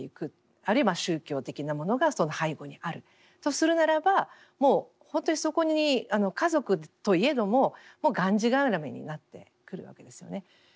あるいは宗教的なものがその背後にあるとするならばもうほんとにそこに家族といえどもがんじがらめになってくるわけですよね。